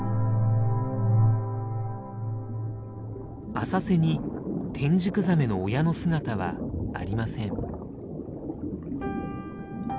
浅瀬にテンジクザメの親の姿はありません。